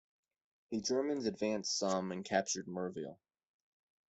The Germans advanced some and captured Merville.